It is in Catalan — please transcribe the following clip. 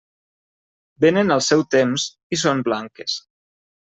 Vénen al seu temps, i són blanques.